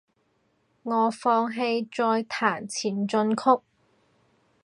我放棄再彈前進曲